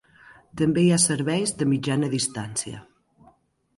També hi ha serveis de Mitjana Distància.